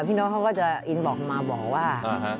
พี่นบกแล้วเขาก็จะอีนส์บอกมาบอกว่า